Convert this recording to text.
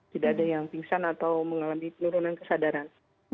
tidak ada yang pingsan atau mengalami penurunan kesadaran